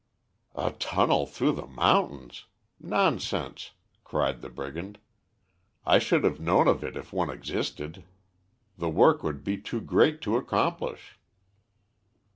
"A tunnel through the mountains? Nonsense!" cried the brigand. "I should have known of it if one existed. The work would be too great to accomplish."